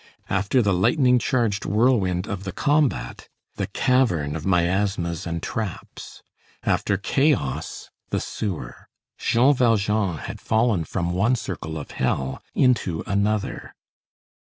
After the lightning charged whirlwind of the combat, the cavern of miasmas and traps; after chaos, the sewer. Jean Valjean had fallen from one circle of hell into another.